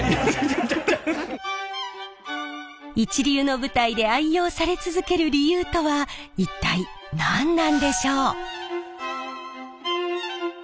一流の舞台で愛用され続ける理由とは一体何なんでしょう？